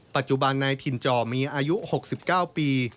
ปัจจุบันนายถิ่นจอมีอายุ๖๙ปี